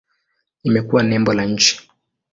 Imekuwa nembo la nchi.